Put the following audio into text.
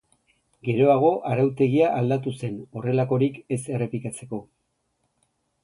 Geroago arautegia aldatu zen horrelakorik ez errepikatzeko.